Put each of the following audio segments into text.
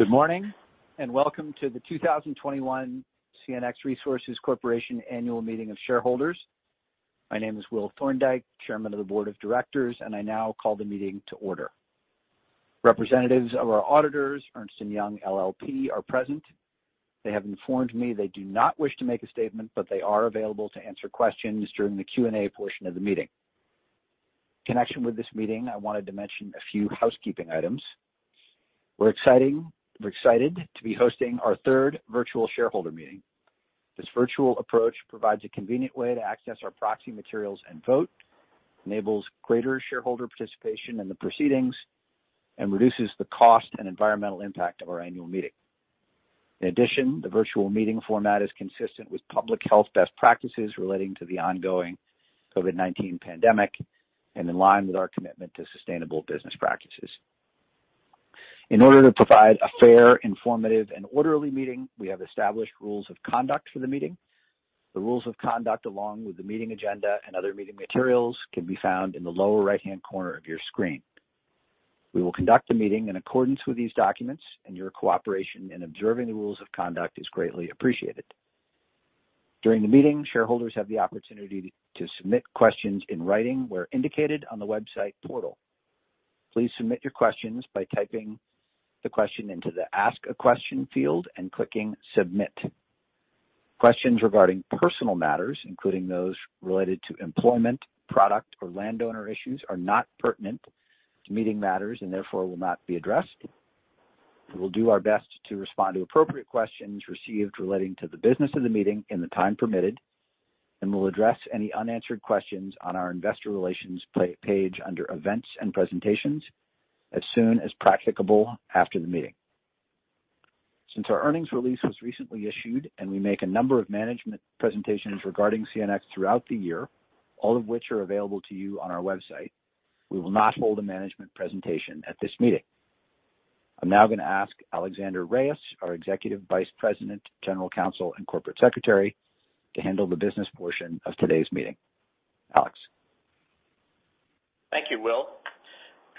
Good morning, and welcome to the 2021 CNX Resources Corporation Annual Meeting of Shareholders. My name is Will Thorndike, Chairman of the Board of Directors, and I now call the meeting to order. Representatives of our auditors, Ernst & Young LLP, are present. They have informed me they do not wish to make a statement, but they are available to answer questions during the Q&A portion of the meeting. In connection with this meeting, I wanted to mention a few housekeeping items. We're excited to be hosting our third virtual shareholder meeting. This virtual approach provides a convenient way to access our proxy materials and vote, enables greater shareholder participation in the proceedings, and reduces the cost and environmental impact of our annual meeting. In addition, the virtual meeting format is consistent with public health best practices relating to the ongoing COVID-19 pandemic and in line with our commitment to sustainable business practices. In order to provide a fair, informative, and orderly meeting, we have established rules of conduct for the meeting. The rules of conduct, along with the meeting agenda and other meeting materials, can be found in the lower right-hand corner of your screen. We will conduct the meeting in accordance with these documents, and your cooperation in observing the rules of conduct is greatly appreciated. During the meeting, shareholders have the opportunity to submit questions in writing where indicated on the website portal. Please submit your questions by typing the question into the Ask a Question field and clicking Submit. Questions regarding personal matters, including those related to employment, product, or landowner issues, are not pertinent to meeting matters and therefore will not be addressed. We will do our best to respond to appropriate questions received relating to the business of the meeting in the time permitted, and we'll address any unanswered questions on our investor relations page under Events and Presentations as soon as practicable after the meeting. Since our earnings release was recently issued and we make a number of management presentations regarding CNX throughout the year, all of which are available to you on our website, we will not hold a management presentation at this meeting. I'm now going to ask Alexander Reyes, our Executive Vice President, General Counsel, and Corporate Secretary, to handle the business portion of today's meeting. Alex. Thank you, Will.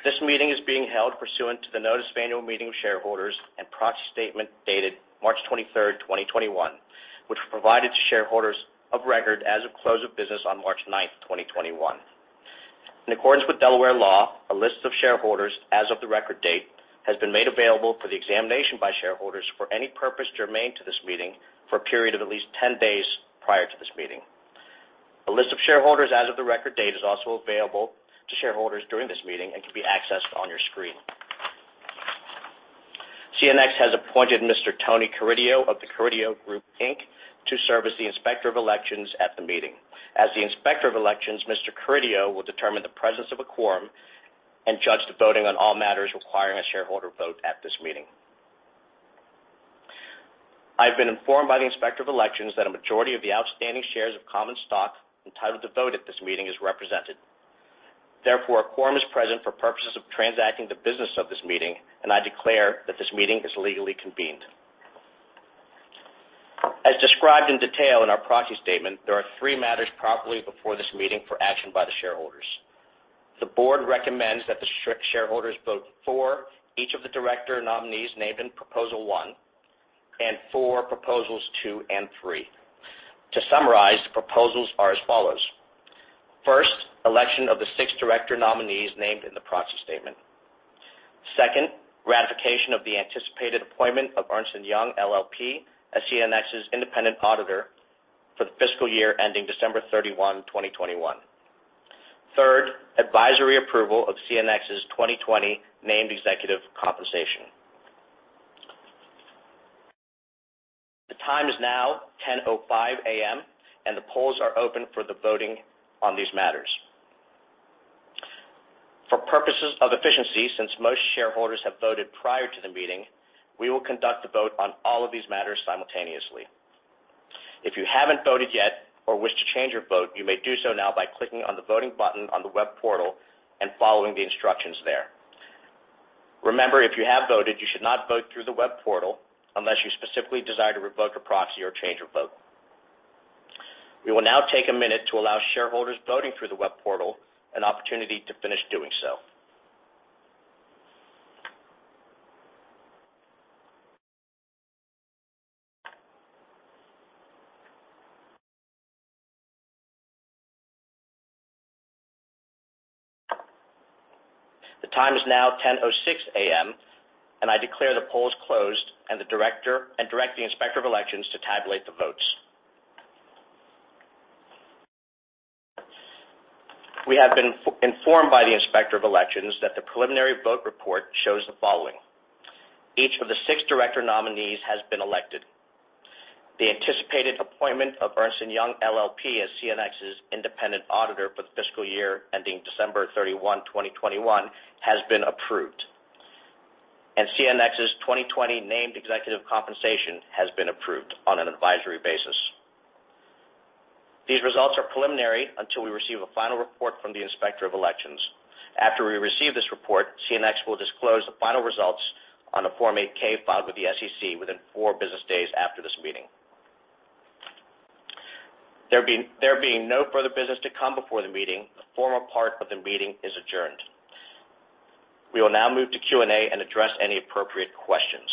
This meeting is being held pursuant to the notice of Annual Meeting of Shareholders and proxy statement dated March 23rd, 2021, which was provided to shareholders of record as of close of business on March 9th, 2021. In accordance with Delaware law, a list of shareholders as of the record date has been made available for the examination by shareholders for any purpose germane to this meeting for a period of at least 10 days prior to this meeting. A list of shareholders as of the record date is also available to shareholders during this meeting and can be accessed on your screen. CNX has appointed Mr. Tony Carideo of The Carideo Group, Inc. to serve as the Inspector of Elections at the meeting. As the Inspector of Elections, Mr. Carideo will determine the presence of a quorum and judge the voting on all matters requiring a shareholder vote at this meeting. I've been informed by the Inspector of Elections that a majority of the outstanding shares of common stock entitled to vote at this meeting is represented. Therefore, a quorum is present for purposes of transacting the business of this meeting, and I declare that this meeting is legally convened. As described in detail in our proxy statement, there are three matters properly before this meeting for action by the shareholders. The board recommends that the shareholders vote for each of the director nominees named in Proposal One and for Proposals Two and Three. To summarize, the proposals are as follows. First, election of the six director nominees named in the proxy statement. Second, ratification of the anticipated appointment of Ernst & Young LLP as CNX's independent auditor for the fiscal year ending December 31, 2021. Third, advisory approval of CNX's 2020 named executive compensation. The time is now 10:05 A.M., and the polls are open for the voting on these matters. For purposes of efficiency, since most shareholders have voted prior to the meeting, we will conduct the vote on all of these matters simultaneously. If you haven't voted yet or wish to change your vote, you may do so now by clicking on the voting button on the web portal and following the instructions there. Remember, if you have voted, you should not vote through the web portal unless you specifically desire to revoke a proxy or change your vote. We will now take a minute to allow shareholders voting through the web portal an opportunity to finish doing so. The time is now 10:06 A.M., I declare the polls closed and direct the Inspector of Elections to tabulate the votes. We have been informed by the Inspector of Elections that the preliminary vote report shows the following. Each of the six director nominees has been elected. The anticipated appointment of Ernst & Young LLP as CNX's independent auditor for the fiscal year ending December 31, 2021, has been approved, CNX's 2020 named executive compensation has been approved on an advisory basis. These results are preliminary until we receive a final report from the Inspector of Elections. After we receive this report, CNX will disclose the final results on a Form 8-K filed with the SEC within four business days after this meeting. There being no further business to come before the meeting, the formal part of the meeting is adjourned. We will now move to Q&A and address any appropriate questions.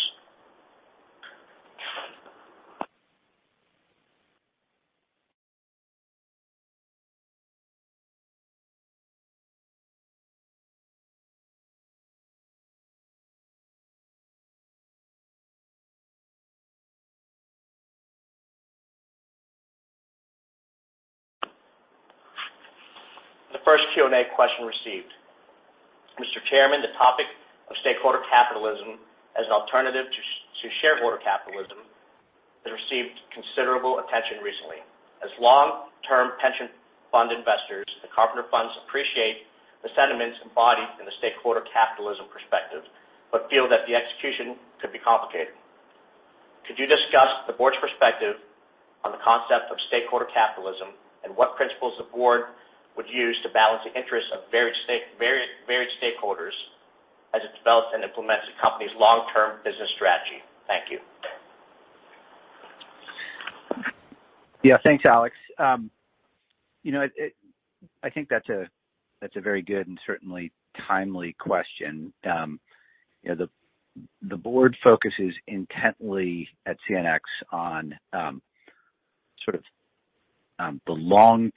The first Q&A question received. Mr. Chairman, the topic of stakeholder capitalism as an alternative to shareholder capitalism has received considerable attention recently. As long-term pension fund investors, the Carpenter Funds appreciate the sentiments embodied in the stakeholder capitalism perspective, but feel that the execution could be complicated. Could you discuss the board's perspective on the concept of stakeholder capitalism and what principles the board would use to balance the interests of varied stakeholders as it develops and implements the company's long-term business strategy? Thank you. Yeah. Thanks, Alex. I think that's a very good and certainly timely question. The board focuses intently at CNX on the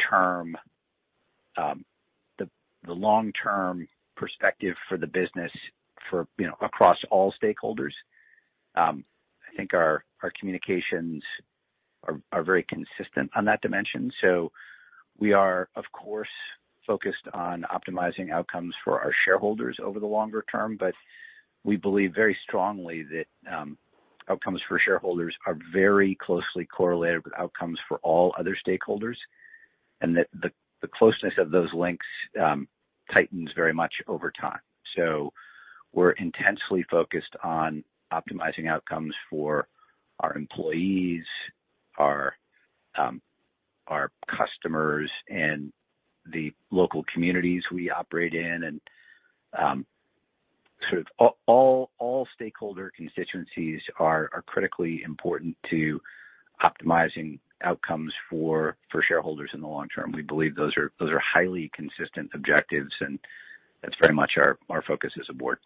long-term perspective for the business across all stakeholders. I think our communications are very consistent on that dimension. We are, of course, focused on optimizing outcomes for our shareholders over the longer term, but we believe very strongly that outcomes for shareholders are very closely correlated with outcomes for all other stakeholders, and that the closeness of those links tightens very much over time. We're intensely focused on optimizing outcomes for our employees, our customers, and the local communities we operate in. All stakeholder constituencies are critically important to optimizing outcomes for shareholders in the long term. We believe those are highly consistent objectives, and that's very much our focus as a board.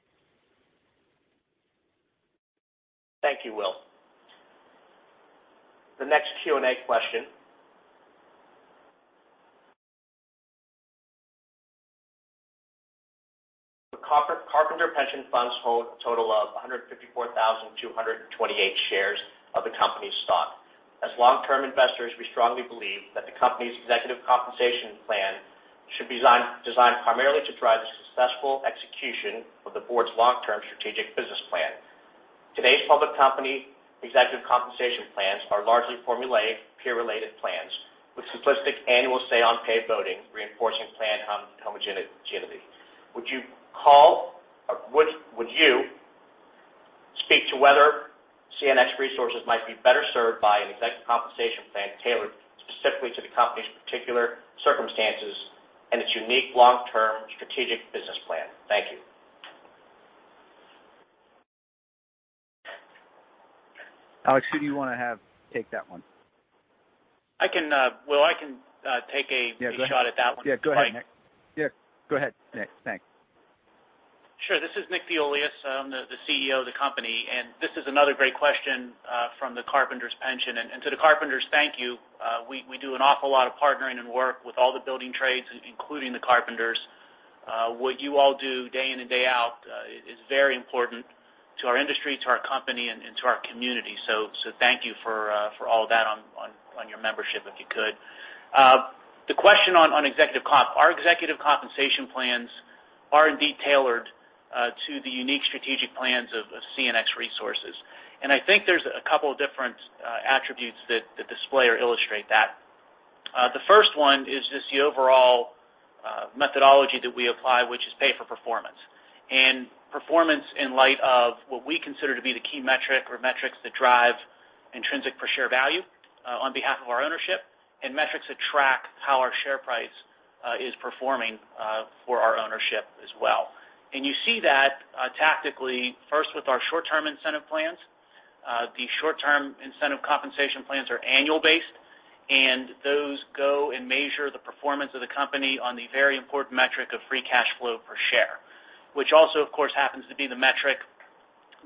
Thank you, Will. The next Q&A question. The Carpenter Pension Funds hold a total of 154,228 shares of the company's stock. As long-term investors, we strongly believe that the company's executive compensation plan should be designed primarily to drive the successful execution of the board's long-term strategic business plan. Today's public company executive compensation plans are largely formulaic, peer-related plans with simplistic annual say on pay voting, reinforcing plan homogeneity. Would you speak to whether CNX Resources might be better served by an executive compensation plan tailored specifically to the company's particular circumstances and its unique long-term strategic business plan? Thank you. Alex, who do you want to have take that one? Will. Yeah, go ahead. shot at that one. Yeah, go ahead, Nick. Thanks. Sure. This is Nick Deiuliis. I'm the CEO of the company. This is another great question from the Carpenters Pension. To the carpenters, thank you. We do an awful lot of partnering and work with all the building trades, including the carpenters. What you all do day in and day out is very important to our industry, to our company, and to our community. Thank you for all of that on your membership, if you could. The question on executive comp. Our executive compensation plans are indeed tailored to the unique strategic plans of CNX Resources, and I think there's a couple of different attributes that display or illustrate that. The first one is just the overall methodology that we apply, which is pay for performance, and performance in light of what we consider to be the key metric or metrics that drive intrinsic per share value on behalf of our ownership, and metrics that track how our share price is performing for our ownership as well. You see that tactically first with our short-term incentive plans. The short-term incentive compensation plans are annual based, and those go and measure the performance of the company on the very important metric of free cash flow per share, which also, of course, happens to be the metric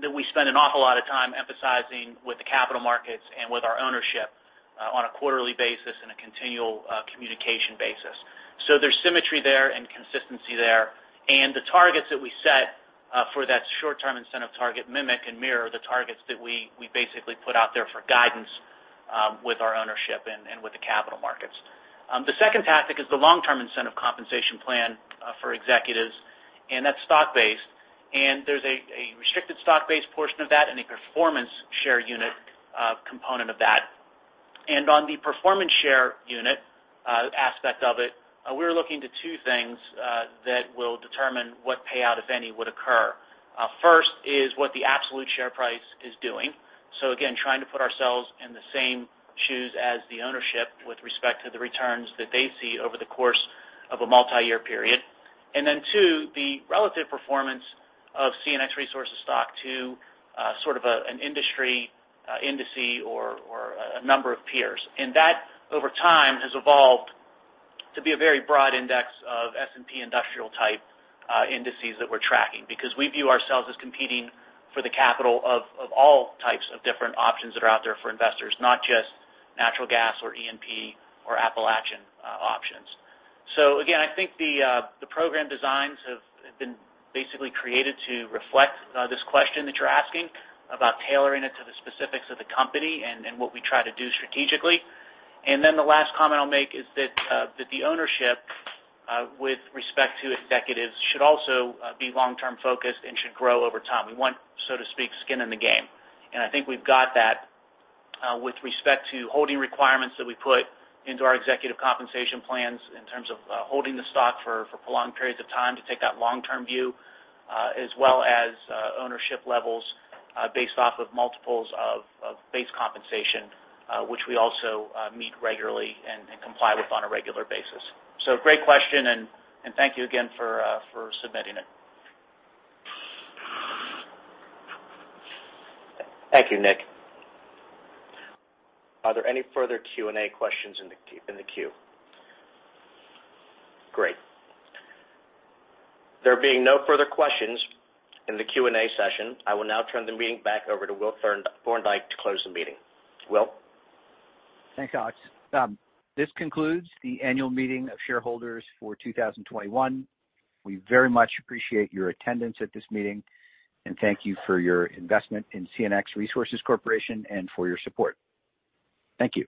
that we spend an awful lot of time emphasizing with the capital markets and with our ownership on a quarterly basis and a continual communication basis. So there's symmetry there and consistency there. The targets that we set for that short-term incentive target mimic and mirror the targets that we basically put out there for guidance with our ownership and with the capital markets. The second tactic is the long-term incentive compensation plan for executives, and that's stock-based. There's a restricted stock-based portion of that and a performance share unit component of that. On the performance share unit aspect of it, we're looking to two things that will determine what payout, if any, would occur. First is what the absolute share price is doing. Again, trying to put ourselves in the same shoes as the ownership with respect to the returns that they see over the course of a multi-year period. Then two, the relative performance of CNX Resources stock to sort of an industry indices or a number of peers. That, over time, has evolved to be a very broad index of S&P industrial type indices that we're tracking because we view ourselves as competing for the capital of all types of different options that are out there for investors, not just natural gas or E&P or Appalachian options. Again, I think the program designs have been basically created to reflect this question that you're asking about tailoring it to the specifics of the company and what we try to do strategically. Then the last comment I'll make is that the ownership with respect to executives should also be long-term focused and should grow over time. We want, so to speak, skin in the game. I think we've got that with respect to holding requirements that we put into our executive compensation plans in terms of holding the stock for prolonged periods of time to take that long-term view, as well as ownership levels based off of multiples of base compensation, which we also meet regularly and comply with on a regular basis. Great question, thank you again for submitting it. Thank you, Nick. Are there any further Q&A questions in the queue? Great. There being no further questions in the Q&A session, I will now turn the meeting back over to Will Thorndike to close the meeting. Will? Thanks, Alex. This concludes the annual meeting of shareholders for 2021. We very much appreciate your attendance at this meeting, and thank you for your investment in CNX Resources Corporation and for your support. Thank you.